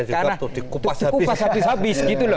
karena itu dikupas habis habis gitu loh